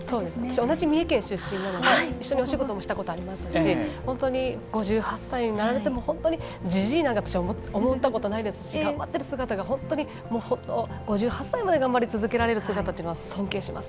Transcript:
私は同じ三重県出身なので一緒にお仕事したこともありますし５８歳になられても本当に、じじいなんて私思ったことないですし頑張っている姿５８歳まで頑張れる姿尊敬します